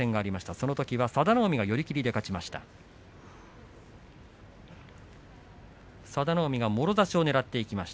そのときは佐田の海が寄り切りで勝っています。